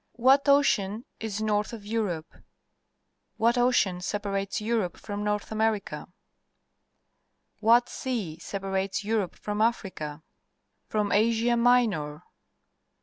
— What ocean is north of Europe? W'liat ocean separates Europe from North America? What sea separates Europe from Africa? From Asia Minor?